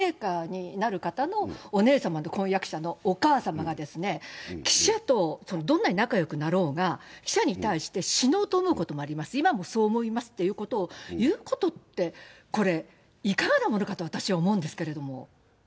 天皇陛下のめい御さんの婚約者のお母様、将来の天皇陛下になる方のお姉さまの婚約者のお母様が、記者とどんなに仲よくなろうが、記者に対して、死のうと思うこともあります、今もそう思いますっていうことを言うことって、これ、いかがなものかと私は思うんですけれども。